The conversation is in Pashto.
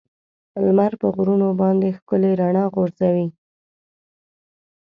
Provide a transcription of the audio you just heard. لمر په غرونو باندې ښکلي رڼا غورځوي.